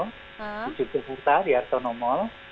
saya juga putar di artono mall